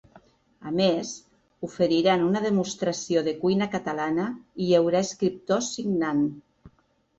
A més, oferiran una demostració de cuina catalana i hi haurà escriptors signant.